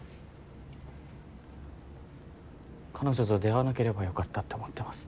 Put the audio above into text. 彼女と出逢わなければよかったって思ってます。